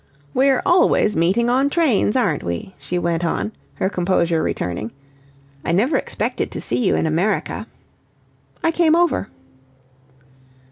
"We're always meeting on trains, aren't we?" she went on, her composure returning. "I never expected to see you in America." "I came over."